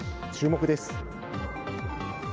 注目です。